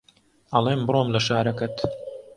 ئەڵێم بڕۆم لە شارەکەت